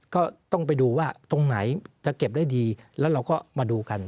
ก็ต้องไปดูว่าตรงไหนจะเก็บได้ดีแล้วเราก็มาดูกัน